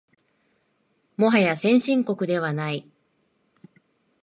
もはや先進国ではない